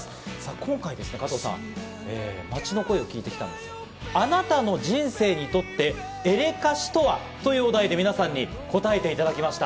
今回、加藤さん、街の声を聞いてきたんですけど、あなたの人生にとってエレカシとは？というお題で、皆さんに答えていただきました。